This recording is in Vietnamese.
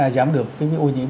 giảm được ô nhiễm